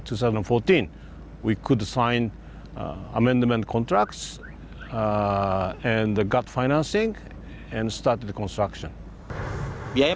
pada tahun dua ribu empat belas kami bisa menandatangani kontrak pendapatan dan memiliki penderbitan dan memulai pembinaan